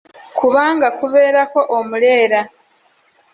Kubanga kubeerako omuleera.